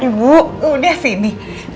ibu udah sini